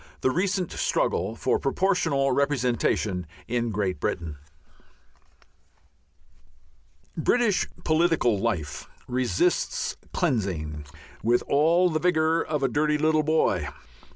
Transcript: X THE RECENT STRUGGLE FOR PROPORTIONAL REPRESENTATION IN GREAT BRITAIN British political life resists cleansing with all the vigour of a dirty little boy.